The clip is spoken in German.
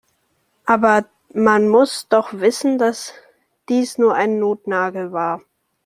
Aber man muss doch wissen, dass dies nur ein Notnagel war.